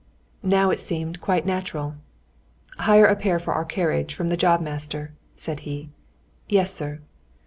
Now it seemed quite natural. "Hire a pair for our carriage from the jobmaster," said he. "Yes, sir."